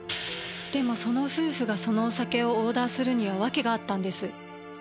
でもその夫婦がそのお酒をオーダーするには訳があったんです。